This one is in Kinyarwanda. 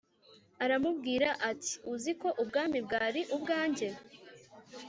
Aramubwira ati “Uzi ko ubwami bwari ubwanjye